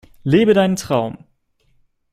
Lebe deinen Traum!